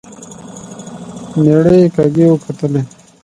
مېړه يې کږې وکتلې.